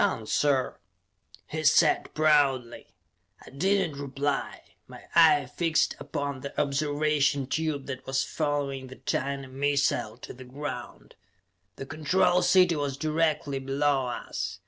"Done, sir!" he said proudly. I did not reply. My eye fixed upon the observation tube that was following the tiny missile to the ground. The Control City was directly below us.